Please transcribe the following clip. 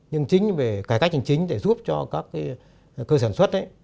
nhưng chính về cái cách chính để giúp cho các cơ sản xuất